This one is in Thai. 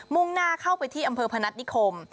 ่งหน้าเข้าไปที่อำเภอพนัฐนิคม